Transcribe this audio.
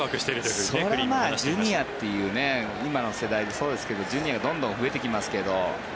それはジュニアという今の世代、そうですけどジュニアがどんどん増えてきますけど。